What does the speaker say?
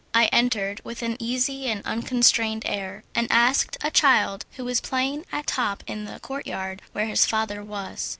I entered with an easy and unconstrained air, and asked a child who was playing at top in the court yard where his father was.